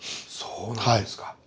そうなんですか。